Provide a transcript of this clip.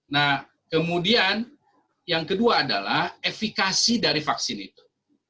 nah kemudian yang kedua adalah efikasi dari vaksin itu